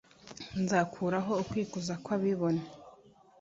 Nzakuraho ukwikuza kw’abibone,